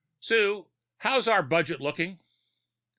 "Sue, how's our budget looking?"